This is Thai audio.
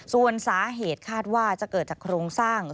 ส่วนสาเหตุคาดว่าจะเกิดจากโครงสร้าง